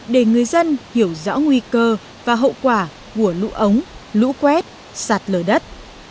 để người dân hiểu rõ nguy cơ và hậu quả của lũ ống lũ quét sạt lở đất